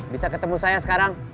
bisa ketemu saya sekarang